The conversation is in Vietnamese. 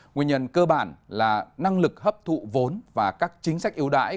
nguyên nhân cơ bản là năng lực hấp thụ vốn và các chính sách yếu đải